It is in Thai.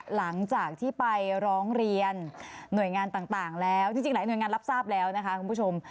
หลังจากที่ไปร้องเรียนหน่วยงานต่างแล้วจริงหลายหน่วยงานรับทราบแล้วนะคะคุณผู้ชม